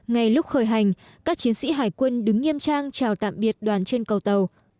ngay lúc khởi hành các chiến sĩ hải quân đứng nghiêm trang chào tạm biệt đoàn trên cầu tàu